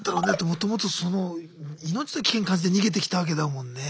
もともと命の危険感じて逃げてきたわけだもんね。